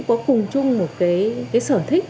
có cùng chung một cái sở thích